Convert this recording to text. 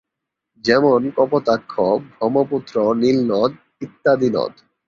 যেমনঃ কপোতাক্ষ, ব্রহ্মপুত্র, নীল নদ ইত্যাদি নদ।